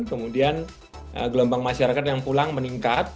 kemudian gelombang masyarakat yang pulang meningkat